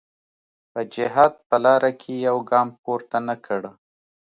په جهاد په لاره کې یو ګام پورته نه کړ.